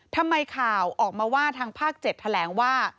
ทำไมข่าวออกมาว่าทางภาค๗แถลงว่า